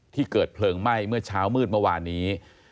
เกิดเพลิงไหม้เมื่อเช้ามืดเมื่อวานนี้